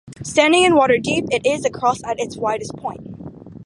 Standing in water deep it is across at its widest point.